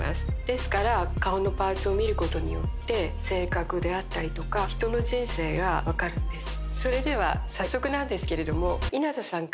ですから顔のパーツを見ることによって性格であったりとか人の人生が分かるんです。